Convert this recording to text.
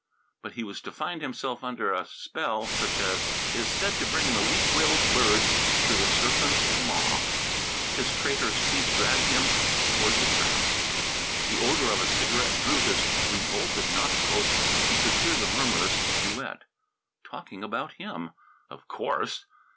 But he was to find himself under a spell such as is said to bring the weak willed bird to the serpent's maw. His traitorous feet dragged him toward the trap. The odour of a cigarette drew his revolted nostrils. He could hear the murmurous duet. Talking about him! Of course!